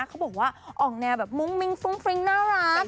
เขาบอกว่าออกแนวแบบมุ้งมิ้งฟุ้งฟริ้งน่ารัก